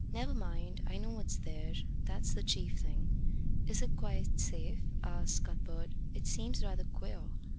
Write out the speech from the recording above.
"Never mind. I know what's there. That's the chief thing." "Is it quite safe?" asked Cuthbert. "It seems rather queer."